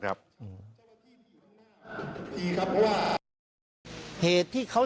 อีอี้ครับเพราะว่า